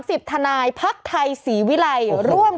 พี่ขับรถไปเจอแบบ